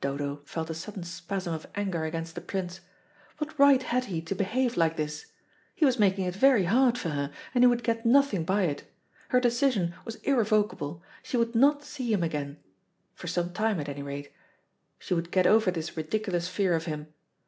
Dodo felt a sudden spasm of anger against the Prince. What right had he to behave like this? He was making it very hard for her, and he would get nothing by it. Her decision was irrevocable; she would not see him again, for some time at any rate. She would get over this ridiculous fear of him.